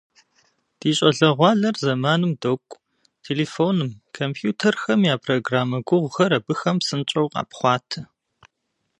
Ди щӏалэгъуалэр зэманым докӏу - телефоным, компьютерхэм я программэ гугъухэр абыхэм псынщӏэу къапхъуатэ.